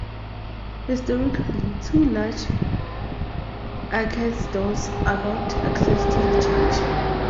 Historically, two large, arched doors allowed access to the church.